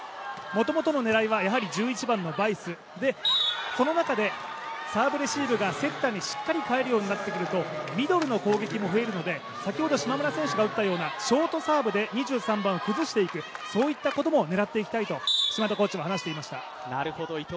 もともとの狙いは１１番のバイス、その中でサーブレシーブがセッターにしっかり返るようになってくるとミドルの攻撃も増えるので先ほど島村選手が打ったようなショートサーブで２３番を崩していく、そういったことも狙っていきたいと島田コーチは話していました。